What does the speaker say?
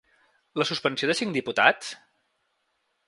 La suspensió de cinc diputats?